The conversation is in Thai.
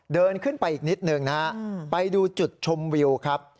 เดินขึ้นไปอีกนิดหนึ่งนะฮะไปดูจุดชมวิวครับ